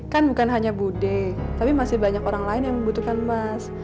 kan bukan hanya bude tapi masih banyak orang lain yang membutuhkan emas